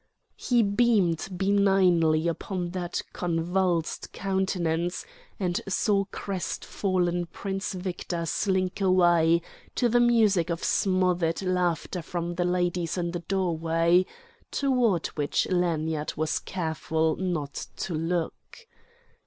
He beamed benignly upon that convulsed countenance, and saw crestfallen Prince Victor slink away, to the music of smothered laughter from the ladies in the doorway—toward which Lanyard was careful not to look.